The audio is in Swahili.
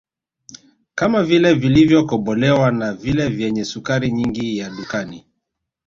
kama vile vilivyokobolewa na vile vyenye sukari nyingi ya dukani